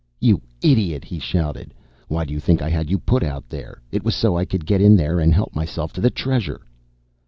"You idiot," he shouted. "Why do you think I had you put out here? It was so I could get in there and help myself to the Treasure."